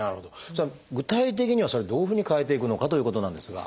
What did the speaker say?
具体的にはそれをどういうふうに変えていくのかということなんですが。